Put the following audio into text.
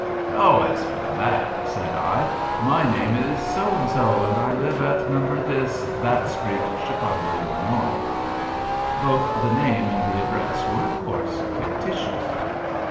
"Oh, as for that," said I, "my name is So and So, and I live at Number This, That Street, Chicago, Illinois." Both the name and the address were of course fictitious.